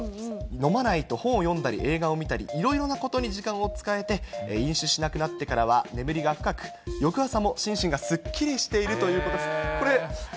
飲まないと本を読んだり映画を見たり、いろいろなことに時間を使えて、飲酒しなくなってからは眠りが深く、翌朝も心身がすっきりしているということです。